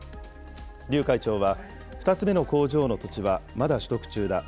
劉会長は、２つ目の工場の土地は、まだ取得中だ。